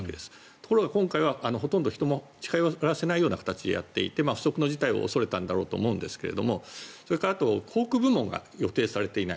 ところが今回はほとんど人も近寄らせない形でやっていて不測の事態を恐れたんだと思いますがそれからあとは航空部門が予定されていない。